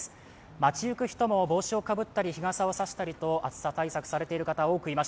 町行く人も帽子をかぶったり日傘を差したりと、暑さ対策をしている堅い真下。